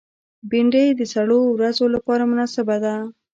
بېنډۍ د سړو ورځو لپاره مناسبه ده